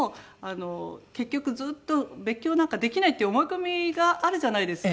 結局ずっと別居なんかできないって思い込みがあるじゃないですか。